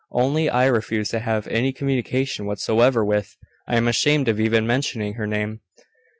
Only, I refuse to have any communication whatsoever with I am ashamed of even mentioning her name.